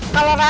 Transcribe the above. ke perumah ya